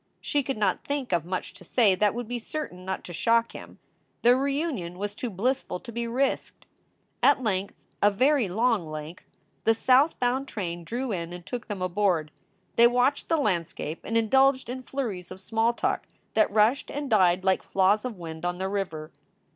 She could not think of much to say that would be certain not to shock him. The reunion was too blissful to be risked. At length, a very long length, the south bound train drew in and took them aboard. They watched the landscape and indulged in flurries of small talk that rushed and died like flaws of wind on the river.